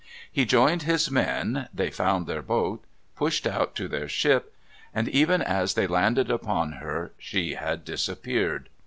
He joined his men, they found their boat, pushed out to their ship, and even as they landed upon her she had disappeared.